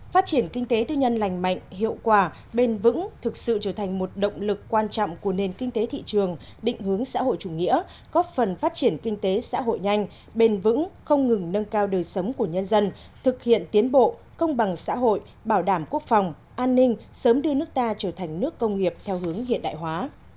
phát triển kinh tế tư nhân lành mạnh hiệu quả bền vững thực sự trở thành một động lực quan trọng của nền kinh tế thị trường định hướng xã hội chủ nghĩa góp phần phát triển kinh tế xã hội nhanh bền vững không ngừng nâng cao đời sống của nhân dân thực hiện tiến bộ công bằng xã hội bảo đảm quốc phòng an ninh sớm đưa nước ta trở thành nước công nghiệp theo hướng hiện đại hóa